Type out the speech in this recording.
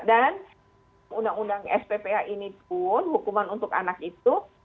dan undang undang sppa ini pun hukuman untuk anak itu